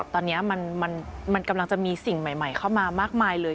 ตอนนี้มันกำลังจะมีสิ่งใหม่เข้ามามากมายเลย